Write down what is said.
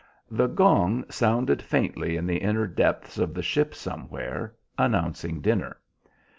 The gong sounded faintly in the inner depths of the ship somewhere announcing dinner.